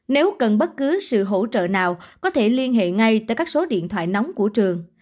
nếu cần bất cứ sự hỗ trợ nào có thể liên hệ ngay tại các số điện thoại nóng của trường